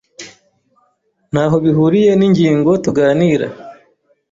Ntaho bihuriye ningingo tuganira.